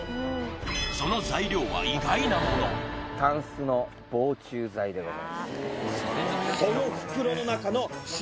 その材料は意外なものを使います